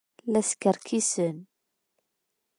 La skerkisen.